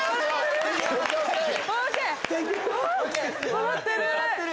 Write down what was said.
笑ってる！